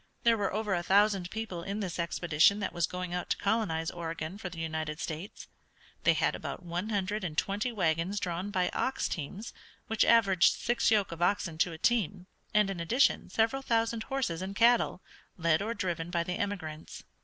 There were over a thousand people in this expedition that was going out to colonize Oregon for the United States. They had about one hundred and twenty wagons drawn by ox teams, which averaged six yoke of oxen to a team, and, in addition, several thousand horses and cattle, led or driven by the emigrants.